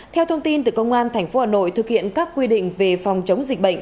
theo thông tin từ công an tp hà nội thực hiện các quy định về phòng chống dịch bệnh